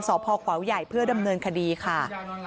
สพขวาวใหญ่เพื่อดำเนินคดีค่ะ